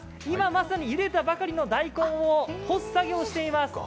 今まさにゆでたばかりの大根を干す作業をしています。